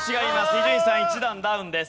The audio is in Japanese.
伊集院さん１段ダウンです。